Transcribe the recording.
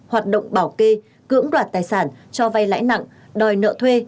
hoạt động bảo kê cưỡng đoạt tài sản cho vay lãi nặng đòi nợ thuê